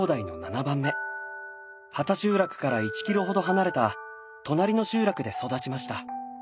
畑集落から１キロほど離れた隣の集落で育ちました。